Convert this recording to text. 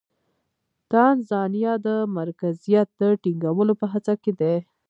تانزانیا د مرکزیت د ټینګولو په هڅه کې دی.